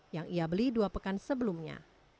yang ia beli dua pekan sebelumnya